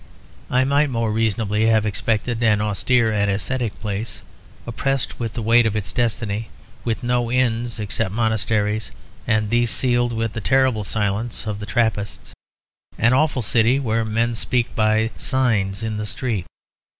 I might more reasonably have expected an austere and ascetic place, oppressed with the weight of its destiny, with no inns except monasteries, and these sealed with the terrible silence of the Trappists; an awful city where men speak by signs in the street.